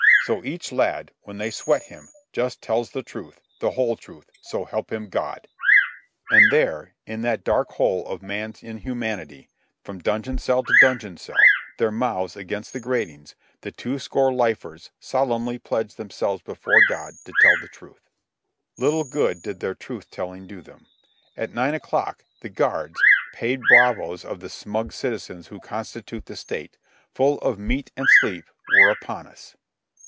So each lad, when they sweat him, just tells the truth, the whole truth, so help him God." And there, in that dark hole of man's inhumanity, from dungeon cell to dungeon cell, their mouths against the gratings, the two score lifers solemnly pledged themselves before God to tell the truth. Little good did their truth telling do them. At nine o'clock the guards, paid bravoes of the smug citizens who constitute the state, full of meat and sleep, were upon us.